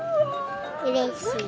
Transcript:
うれしい。